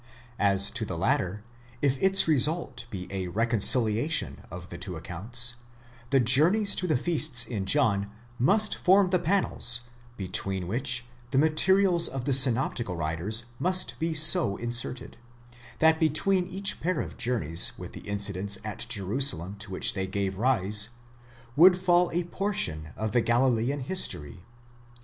As to the latter, if its result be a reconciliation of the two accounts, the journeys to the feasts in John must form the panels between which the materials of the synoptical writers must be so inserted, that between each pair of journeys with the inci dents at Jerusalem to which they gave rise, would fall a portion of the Galilean history.